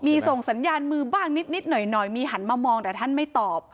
มีส่งสัญญาณมือบ้างนิดหน่อยมีหันมามองแต่ท่านไม่ตอบ